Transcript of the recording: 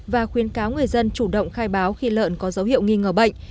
và khuyến cáo người dân chủ động khai báo khi lợn có dấu hiệu nghi ngờ bệnh